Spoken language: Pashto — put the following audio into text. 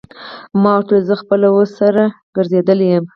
ما ورته وویل: زه خپله اوس سر ګرځېدلی یم.